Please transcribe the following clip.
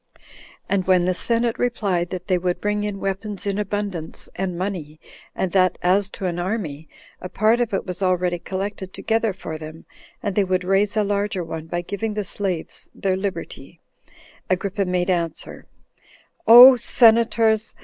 And when the senate replied that they would bring in weapons in abundance, and money, and that as to an army, a part of it was already collected together for them, and they would raise a larger one by giving the slaves their liberty, Agrippa made answer, "O senators!